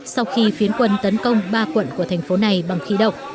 sau khi phiến quân tấn công ba quận của thành phố này bằng khí độc